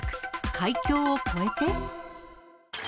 海峡を越えて？